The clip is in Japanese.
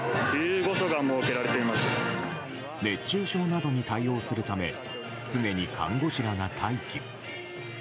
熱中症などに対応するため常に看護師らが待機。